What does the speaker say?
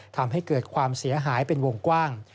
ทำให้เกิดความเสียหายเป็นวงกว้าง